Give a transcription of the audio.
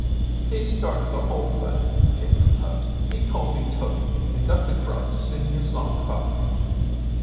"He started the whole thing," came from Tubbs. "He called me Tubby, and got the crowd to singing a song about me."